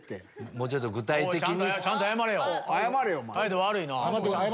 もうちょっと具体的に。